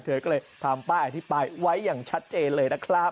เธอก็เลยทำป้ายอธิบายไว้อย่างชัดเจนเลยนะครับ